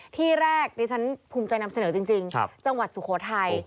ที่แรกดิฉันภูมิใจนำเสนอจริงจังหวัดสุโขทัย